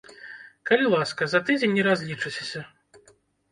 Калі ласка, за тыдзень і разлічыцеся.